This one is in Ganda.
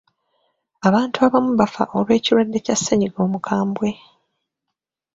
Abantu abamu bafa olw'ekirwadde kya ssennyiga omukambwe.